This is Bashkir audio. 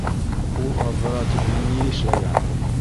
Ул аҙҙыра тип мин ни эшләгән?